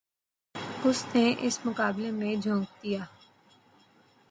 اس نے اس مقابلے میں جھونک دیا۔